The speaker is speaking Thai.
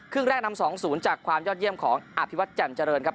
ครึ่งแรกนำ๒ศูนย์จากความยอดเยี่ยมของอภิวัติจันเจริญครับ